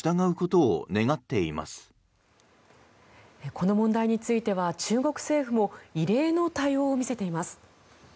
この問題については中国政府も異例の対応を見せています。